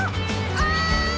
おい！